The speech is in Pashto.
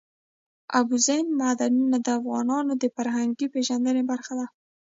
اوبزین معدنونه د افغانانو د فرهنګي پیژندنې برخه ده.